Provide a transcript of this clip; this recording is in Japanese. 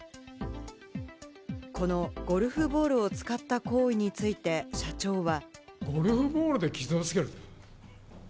このゴルフボールを使った行為について、社長は。